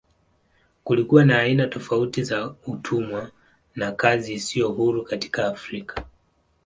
Kulikuwa na aina tofauti za utumwa na kazi isiyo huru katika Afrika.